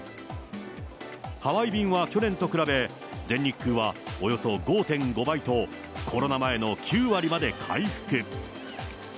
ハワイ便は去年と比べ、全日空はおよそ５．５倍と、コロナ前の９割まで回復。